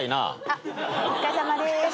あっお疲れさまです。